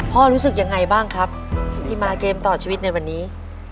รู้สึกยังไงบ้างครับที่มาเกมต่อชีวิตในวันนี้